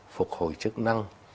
phục hồi chức năng